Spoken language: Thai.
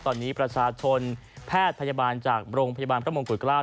ตอนนี้ประชาชนแพทย์พยาบาลจากโรงพยาบาลพระมงกุฎเกล้า